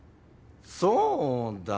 そうだ。